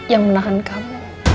yang menahan kamu